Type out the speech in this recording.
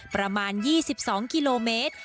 ประมาณ๒๒กิโลเมตร